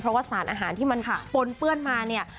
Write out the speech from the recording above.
เพราะว่าสารอาหารที่มันปนเปื้อนมาเนี่ย